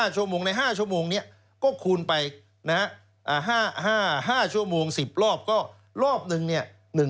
ชั่วโมงใน๕ชั่วโมงนี้ก็คูณไป๕ชั่วโมง๑๐รอบก็รอบนึงเนี่ย